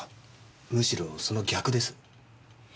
むしろその逆です。え？